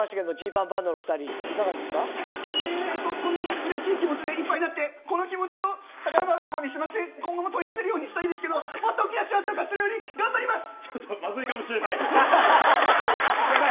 Ｇパンパンダの２人こんなにうれしい気持ちでいっぱいになってこの気持ちを宝箱にしまって今後も取り出せるようにしたいんですけどもっと大きな幸せを勝ち取るように頑張ります。